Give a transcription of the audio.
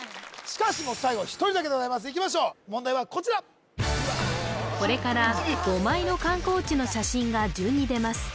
しかしもう最後１人だけでございますいきましょう問題はこちらこれから５枚の観光地の写真が順に出ます